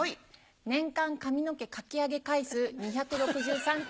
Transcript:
年間髪の毛かき上げ回数２６３回。